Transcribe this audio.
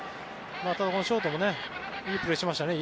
ただ、ショートもいいプレーしましたね。